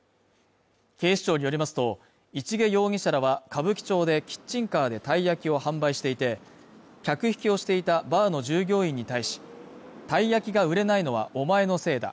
警視庁によりますと市毛容疑者らは歌舞伎町でキッチンカーでたい焼きを販売していて客引きをしていたバーの従業員に対したい焼きが売れないのはお前のせいだ